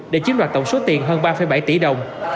để chiếm đoạt tổng số tiền hơn ba bảy tỷ đồng